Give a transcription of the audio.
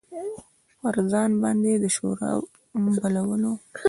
پر ځان باندې دشوار بولو.